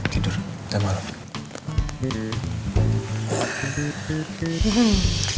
tidur kita malam